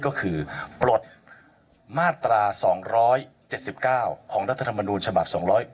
ก็คือปลดมาตรา๒๗๙ของรัฐธรรมนูญฉบับ๒๗